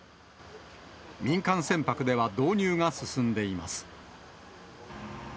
民間船舶では導入が進んでいます。